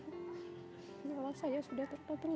kalau saya sudah tertolong